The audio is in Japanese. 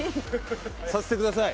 させてください。